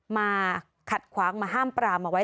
มาขัดขวางมาห้ามปรามเอาไว้